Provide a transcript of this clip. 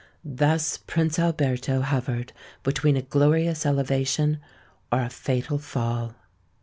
Thus Prince Alberto hovered between a glorious elevation or a fatal fall.